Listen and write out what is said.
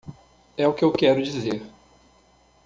É o que eu quero dizer.